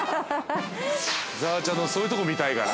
◆伊沢ちゃんのそういうとこ、見たいから。